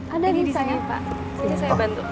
ada di sana pak